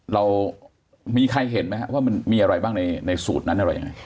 เรามีใครเห็นไหมครับว่ามันมีอะไรบ้างในสูตรนั้นอะไรยังไง